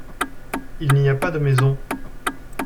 Il n'y a pas de maisons.